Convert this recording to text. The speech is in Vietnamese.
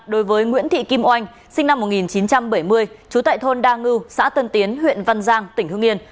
đối với nguyễn thị kim oanh sinh năm một nghìn chín trăm bảy mươi trú tại thôn đa ngư xã tân tiến huyện văn giang tỉnh hương yên